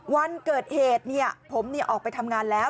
วันเกิดเหตุผมออกไปทำงานแล้ว